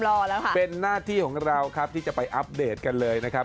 รอแล้วค่ะเป็นหน้าที่ของเราครับที่จะไปอัปเดตกันเลยนะครับ